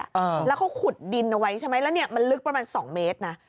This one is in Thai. แล้วเขาขุดดินเอาไว้ใช่ไหมแล้วเนี่ยมันลึกประมาณสองเมตรนะ